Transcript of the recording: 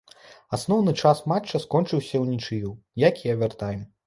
Асноўны час матча скончыўся ўнічыю, як і авертайм.